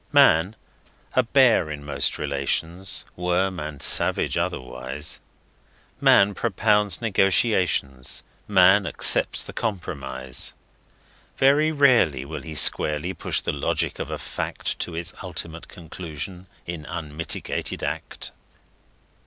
Man, a bear in most relations, worm and savage otherwise, Man propounds negotiations, Man accepts the compromise; Very rarely will he squarely push the logic of a fact To its ultimate conclusion in unmitigated act.